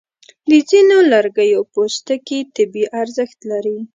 د ځینو لرګیو پوستکي طبي ارزښت لري.